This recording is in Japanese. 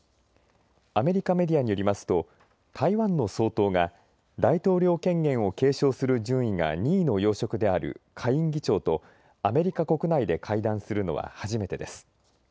アメリカメディアによりますと台湾の総統が大統領権限を継承する順位が２位の要職である下院議長とアメリカ国内で会談するのは初めてです。